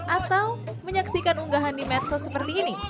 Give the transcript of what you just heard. atau menyaksikan unggahan di medsos seperti ini